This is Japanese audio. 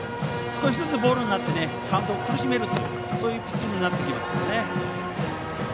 少しずつボールになってカウントを苦しめるとそういうピッチングになってきますね。